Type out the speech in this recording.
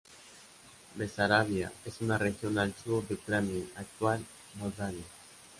Besarabia es una región al sur de Ucrania, actual Moldavia.